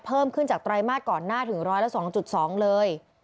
เพิ่มขึ้นจากไตรมาสก่อนหน้าถึงร้อยละ๒๒เลย